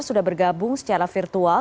sudah bergabung secara virtual